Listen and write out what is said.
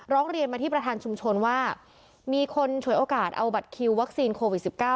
ร้องเรียนมาที่ประธานชุมชนว่ามีคนฉวยโอกาสเอาบัตรคิววัคซีนโควิด๑๙